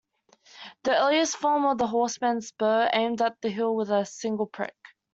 The earliest form of the horseman's spur armed the heel with a single prick.